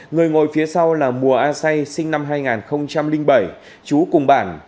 người ngồi phía sau là mùa a say sinh năm hai nghìn bảy chú cùng bản